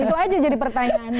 itu saja jadi pertanyaannya